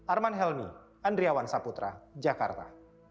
arman helmi andriawan saputra jakarta